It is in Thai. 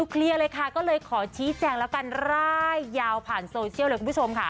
ก็เลยขอชี้แจ้งแล้วกันร่ายยาวผ่านโซเชียลเลยคุณผู้ชมค่ะ